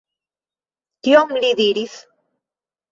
Kion li diris?